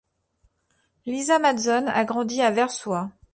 Lisa Mazzone a grandi à Versoix.